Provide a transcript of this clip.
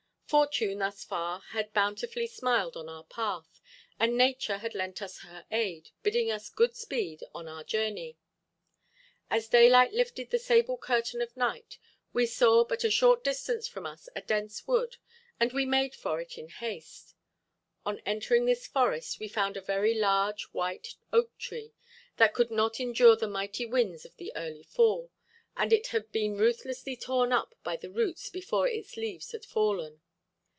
Fortune, thus far, had bountifully smiled on our path, and nature had lent us her aid, bidding us good speed on our journey. As daylight lifted the sable curtain of night we saw but a short distance from us a dense wood, and we made for it in haste. On entering this forest we found a very large white oak tree that could not endure the mighty winds of the early fall, and it had been ruthlessly torn up by the roots before its leaves had fallen.